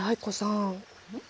ん？